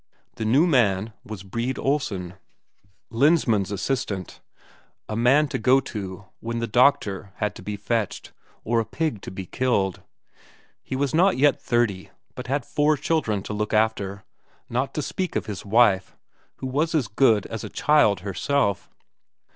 The new man was Brede Olsen, Lensmand's assistant, a man to go to when the doctor had to be fetched, or a pig to be killed. He was not yet thirty, but had four children to look after, not to speak of his wife, who was as good as a child herself.